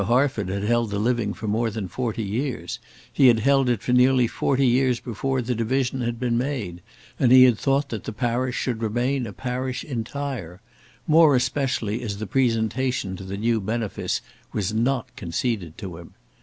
Harford had held the living for more than forty years; he had held it for nearly forty years before the division had been made, and he had thought that the parish should remain a parish entire, more especially as the presentation to the new benefice was not conceded to him.